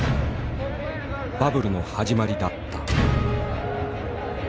バブルの始まりだった。